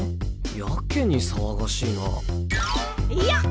やけに騒がしいな。よッ！